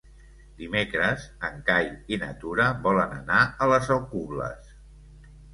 Dimecres en Cai i na Tura volen anar a les Alcubles.